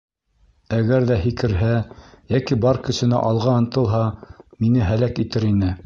Әгәр ҙә һикерһә, йәки бар көсөнә алға ынтылһа, мине һәләк итер ине.